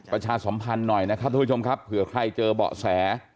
ประชาสมภัณฑ์หน่อยนะครับทุกคนคือใครเจอเบาะแส